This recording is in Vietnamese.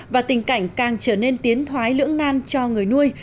và tình cảnh càng trở nên tiến thoái lưỡng nan cho người nuôi